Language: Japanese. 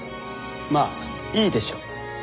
まあいいでしょう。